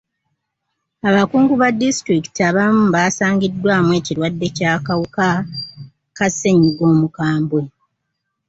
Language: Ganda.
Abakungu ba disitulikiti abamu baasangiddwamu ekirwadde ky'akawuka ka ssenyiga omukambwe.